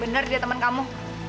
bener dia temen kamu